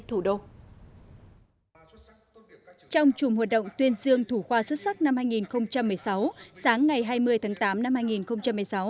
trong chùm hoạt động tuyên dương thủ khoa xuất sắc năm hai nghìn một mươi sáu sáng ngày hai mươi tháng tám năm hai nghìn một mươi sáu